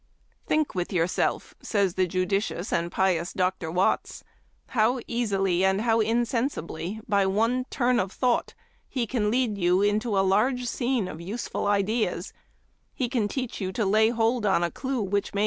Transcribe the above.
" Think with yourself," says the judi : cious and pious Dr. Watts, " how easily and how insensibly by one turn of thought He can lead you into a large scene of useful ideas ; he can teach you to lay hold on a clue which may no Memoir of Washington Irving.